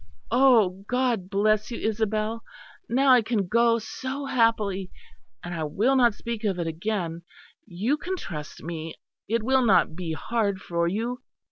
"Oh! God bless you, Isabel! Now I can go so happily. And I will not speak of it again; you can trust me; it will not be hard for you."